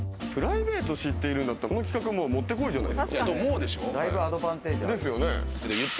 プライベート知ってるんだったら、この企画、もってこいじゃないですか。